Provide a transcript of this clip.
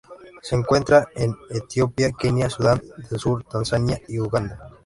Se encuentra en Etiopía, Kenia, Sudán del Sur, Tanzania y Uganda.